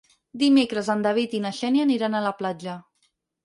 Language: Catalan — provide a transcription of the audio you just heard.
Dimecres en David i na Xènia aniran a la platja.